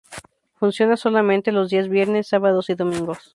Funciona solamente los días viernes, sábados y domingos.